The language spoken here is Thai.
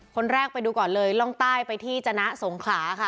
คนแรกไปดูก่อนเลยร่องใต้ไปที่จนะสงขลาค่ะ